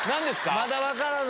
まだ分からない。